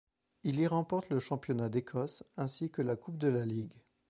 Il y remporte le championnat d'Écosse ainsi que la Coupe de la Ligue.